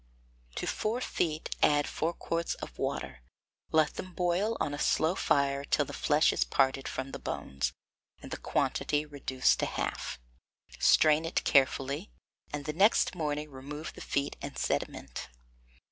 To four feet add four quarts of water; let them boil on a slow fire till the flesh is parted from the bones, and the quantity reduced to half; strain it carefully, and the next morning remove the feet and sediment.